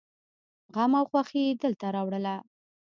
غم او خوښي يې دلته راوړله.